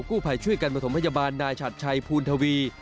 กู้ภัยช่วยกันมาถมพยาบาลนายฉัตย์ชัยภูณธาวี